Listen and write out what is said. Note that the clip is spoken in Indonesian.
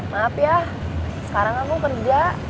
maaf ya sekarang aku kerja